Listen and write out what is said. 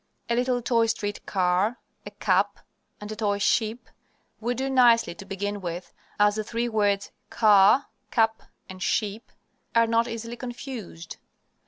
A little toy street car, a cap, and a toy sheep, would do nicely to begin with, as the three words, "car," "cap," and "sheep," are not easily confused.